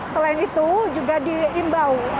selain itu juga diimbau